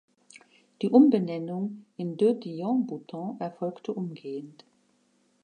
Die Umbenennung in "De Dion-Bouton" erfolgte umgehend.